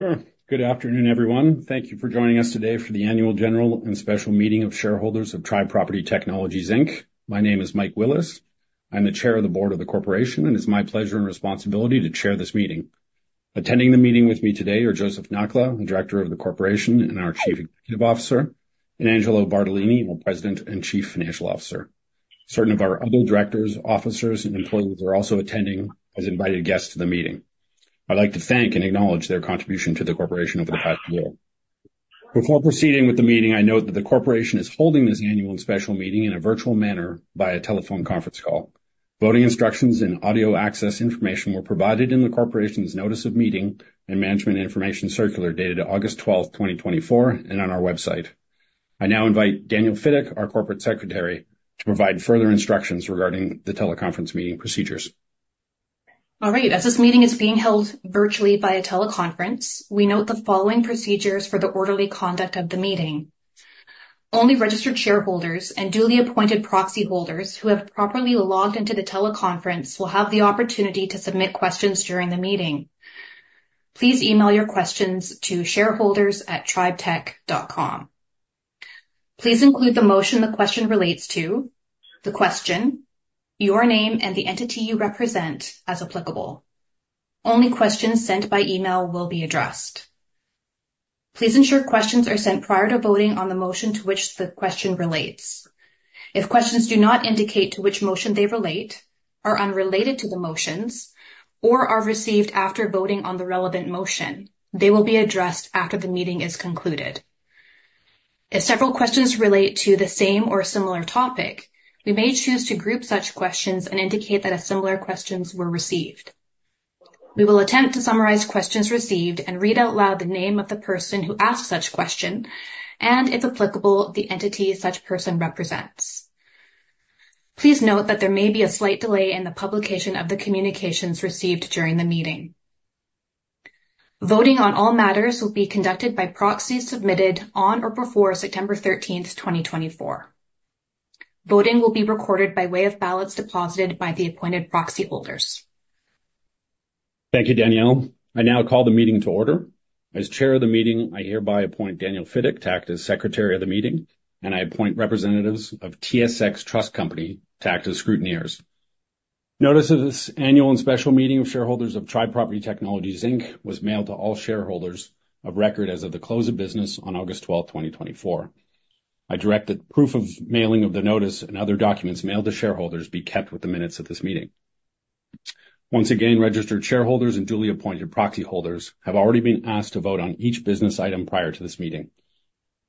Sure. Good afternoon, everyone. Thank you for joining us today for the Annual General and Special Meeting of Shareholders of Tribe Property Technologies, Inc. My name is Mike Willis. I'm the Chair of the Board of the corporation, and it's my pleasure and responsibility to chair this meeting. Attending the meeting with me today are Joseph Nakhla, the Director of the corporation and our Chief Executive Officer, and Angelo Bartolini, our President and Chief Financial Officer. Certain of our other directors, officers, and employees are also attending as invited guests to the meeting. I'd like to thank and acknowledge their contribution to the corporation over the past year. Before proceeding with the meeting, I note that the corporation is holding this annual and special meeting in a virtual manner by a telephone conference call. Voting instructions and audio access information were provided in the corporation's notice of meeting and Management Information Circular, dated August 12th, 2024, and on our website. I now invite Danielle Fiddick, our Corporate Secretary, to provide further instructions regarding the teleconference meeting procedures. All right. As this meeting is being held virtually by a teleconference, we note the following procedures for the orderly conduct of the meeting. Only registered shareholders and duly appointed proxy holders who have properly logged into the teleconference will have the opportunity to submit questions during the meeting. Please email your questions to shareholders@tribetech.com. Please include the motion the question relates to, the question, your name, and the entity you represent, as applicable. Only questions sent by email will be addressed. Please ensure questions are sent prior to voting on the motion to which the question relates. If questions do not indicate to which motion they relate, are unrelated to the motions, or are received after voting on the relevant motion, they will be addressed after the meeting is concluded. If several questions relate to the same or similar topic, we may choose to group such questions and indicate that similar questions were received. We will attempt to summarize questions received and read out loud the name of the person who asked such question and, if applicable, the entity such person represents. Please note that there may be a slight delay in the publication of the communications received during the meeting. Voting on all matters will be conducted by proxies submitted on or before September 13th, 2024. Voting will be recorded by way of ballots deposited by the appointed proxy holders. Thank you, Danielle. I now call the meeting to order. As chair of the meeting, I hereby appoint Danielle Fiddick to act as secretary of the meeting, and I appoint representatives of TSX Trust Company to act as scrutineers. Notice of this annual and special meeting of shareholders of Tribe Property Technologies Inc., was mailed to all shareholders of record as of the close of business on August 12th, 2024. I direct that proof of mailing of the notice and other documents mailed to shareholders be kept with the minutes of this meeting. Once again, registered shareholders and duly appointed proxy holders have already been asked to vote on each business item prior to this meeting.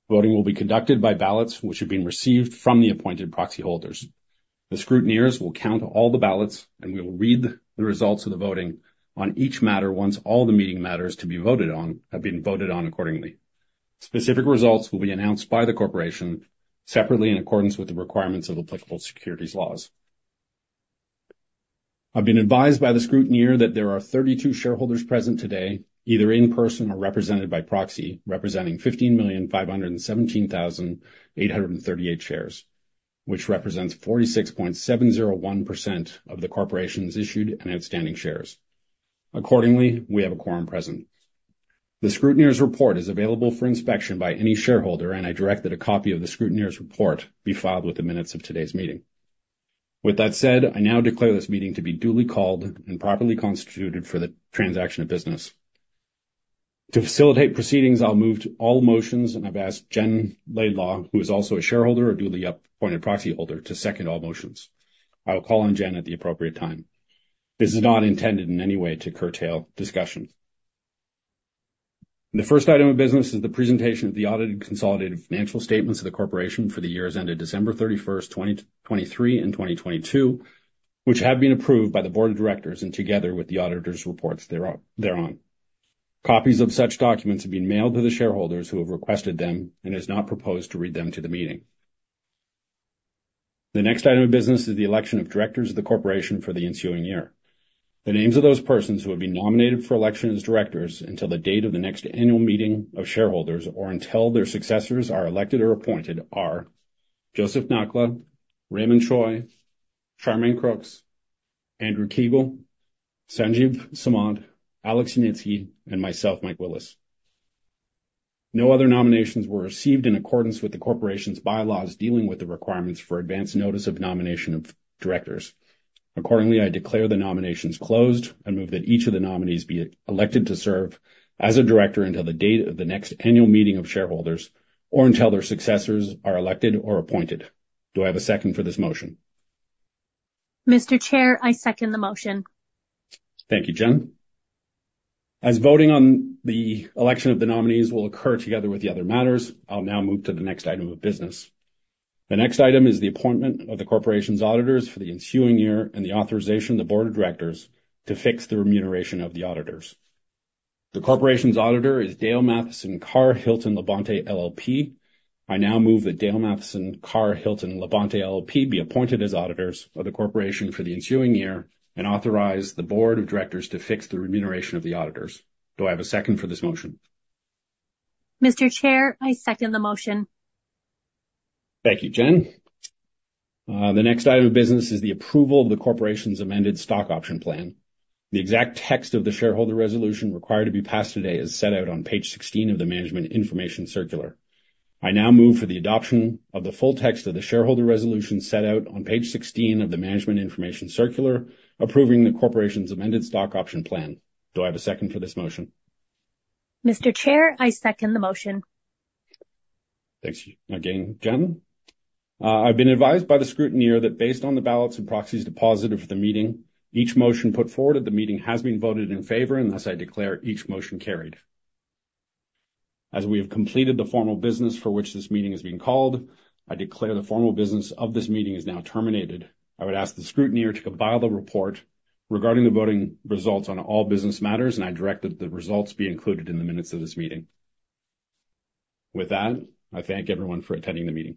Voting will be conducted by ballots which have been received from the appointed proxy holders. The scrutineers will count all the ballots, and we will read the results of the voting on each matter once all the meeting matters to be voted on have been voted on accordingly. Specific results will be announced by the corporation separately, in accordance with the requirements of applicable securities laws. I've been advised by the scrutineer that there are 32 shareholders present today, either in person or represented by proxy, representing 15,517,838 shares, which represents 46.701% of the corporation's issued and outstanding shares. Accordingly, we have a quorum present. The scrutineer's report is available for inspection by any shareholder, and I direct that a copy of the scrutineer's report be filed with the minutes of today's meeting. With that said, I now declare this meeting to be duly called and properly constituted for the transaction of business. To facilitate proceedings, I'll move to all motions, and I've asked Jen Laidlaw, who is also a shareholder or duly appointed proxy holder, to second all motions. I will call on Jen at the appropriate time. This is not intended in any way to curtail discussions. The first item of business is the presentation of the audited consolidated financial statements of the corporation for the years ended December 31st, 2023 and 2022, which have been approved by the board of directors and together with the auditors' reports thereon. Copies of such documents have been mailed to the shareholders who have requested them and has not proposed to read them to the meeting. The next item of business is the election of directors of the corporation for the ensuing year. The names of those persons who have been nominated for election as directors until the date of the next annual meeting of shareholders or until their successors are elected or appointed are Joseph Nakhla, Raymond Choy, Charmaine Crooks, Andrew Kiguel, Sanjeev Samant, Alex Znidarec, and myself, Mike Willis. No other nominations were received in accordance with the corporation's bylaws dealing with the requirements for advance notice of nomination of directors. Accordingly, I declare the nominations closed and move that each of the nominees be elected to serve as a director until the date of the next annual meeting of shareholders or until their successors are elected or appointed. Do I have a second for this motion? Mr. Chair, I second the motion. Thank you, Jen. As voting on the election of the nominees will occur together with the other matters, I'll now move to the next item of business. The next item is the appointment of the corporation's auditors for the ensuing year and the authorization of the board of directors to fix the remuneration of the auditors. The corporation's auditor is Dale Matheson Carr-Hilton Labonte LLP. I now move that Dale Matheson Carr-Hilton Labonte LLP be appointed as auditors of the corporation for the ensuing year and authorize the board of directors to fix the remuneration of the auditors. Do I have a second for this motion? Mr. Chair, I second the motion. Thank you, Jen. The next item of business is the approval of the corporation's amended stock option plan. The exact text of the shareholder resolution required to be passed today is set out on Page 16 of the Management Information Circular. I now move for the adoption of the full text of the shareholder resolution set out on Page 16 of the Management Information Circular, approving the corporation's amended stock option plan. Do I have a second for this motion? Mr. Chair, I second the motion. Thanks again, Jen. I've been advised by the scrutineer that based on the ballots and proxies deposited for the meeting, each motion put forward at the meeting has been voted in favor, and thus I declare each motion carried. As we have completed the formal business for which this meeting has been called, I declare the formal business of this meeting is now terminated. I would ask the scrutineer to compile the report regarding the voting results on all business matters, and I direct that the results be included in the minutes of this meeting. With that, I thank everyone for attending the meeting.